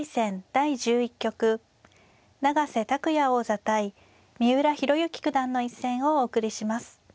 第１１局永瀬拓矢王座対三浦弘行九段の一戦をお送りします。